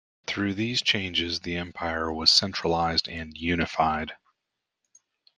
Through these changes the empire was centralized and unified.